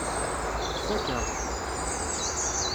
Tfakk-aɣ-t.